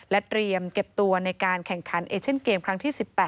เตรียมเก็บตัวในการแข่งขันเอเชนเกมครั้งที่๑๘